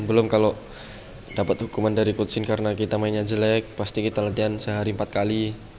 belum kalau dapat hukuman dari putsin karena kita mainnya jelek pasti kita latihan sehari empat kali